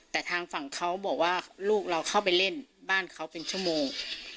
แต่ทางฝั่งเขาบอกว่าลูกเราเข้าไปเล่นบ้านเขาเป็นชั่วโมง